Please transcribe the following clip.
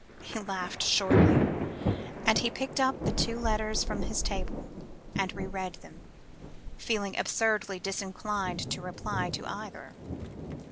He laughed shortly, as he picked up the two letters from his table, and re read them, feeling absurdly disinclined to reply to either.